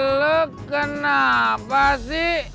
lo kenapa sih